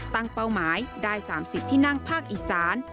เป้าหมายได้๓๐ที่นั่งภาคอีสาน